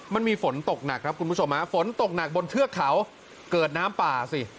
มันมีฝนตกหนักครับคุณผู้ชมฮะฝนตกหนักบนเทือกเขาเกิดน้ำป่าสิ